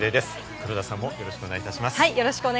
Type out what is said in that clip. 黒田さんも、よろしくお願いいたします。